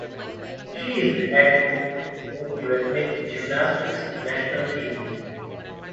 She is the head coach of the Turkey rhythmic gymnastics national team.